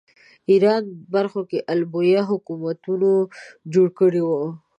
ایران برخو کې آل بویه حکومتونه جوړ کړي وو